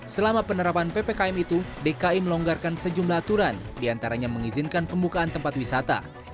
selama penerapan ppkm itu dki melonggarkan sejumlah aturan diantaranya mengizinkan pembukaan tempat wisata